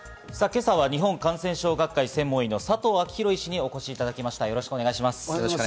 今朝は日本感染症学会・専門医の佐藤昭裕医師にお越しいただきました。